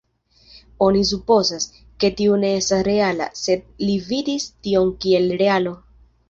Oni supozas, ke tio ne estas reala, sed li vidis tion kiel realo.